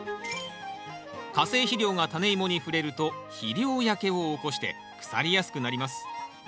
化成肥料がタネイモに触れると肥料焼けを起こして腐りやすくなります。